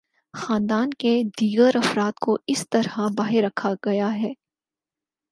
خاندان کے دیگر افراد کو اس طرح باہر رکھا گیا ہے۔